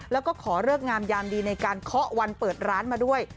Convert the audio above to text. แล้วก็ขอเลิกงามยามดีในการเคาะวันเปิดร้านมาด้วย